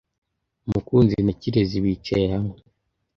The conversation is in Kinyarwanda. Mukunzi na Kirezi bicaye hamwe.